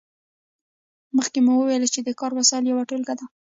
مخکې مو وویل چې د کار وسایل یوه ټولګه ده.